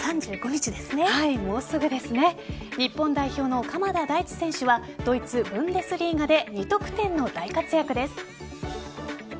日本代表の鎌田大地選手はドイツ・ブンデスリーガで２得点の大活躍です。